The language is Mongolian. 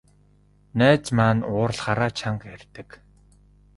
Найз маань уурлахаараа чанга ярьдаг.